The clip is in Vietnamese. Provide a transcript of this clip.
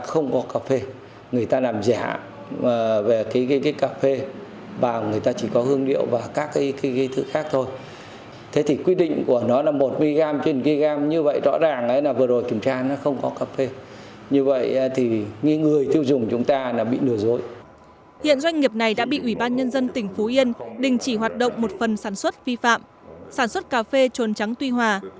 hiện doanh nghiệp này đã bị ủy ban nhân dân tỉnh phú yên đình chỉ hoạt động một phần sản xuất vi phạm sản xuất cà phê trồn trắng tuy hòa